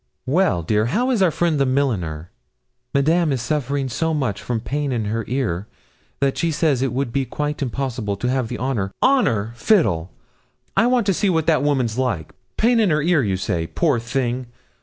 'Well, dear, how is our friend the milliner?' 'Madame is suffering so much from pain in her ear, that she says it would be quite impossible to have the honour ' 'Honour fiddle! I want to see what the woman's like. Pain in her ear, you say? Poor thing!